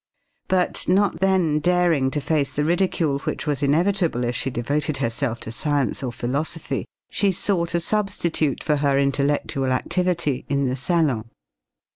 But, not then daring to face the ridicule which was inevitable, if she devoted herself to science or philosophy, she sought a substitute for her intellectual activity in the salon.